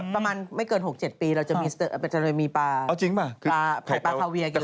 ประมาณไม่เกิน๖๗ปีเราจะมีปลาไผ่ปลาทาเวียกินแล้ว